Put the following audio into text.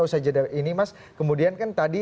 usaha jeda ini mas kemudian kan tadi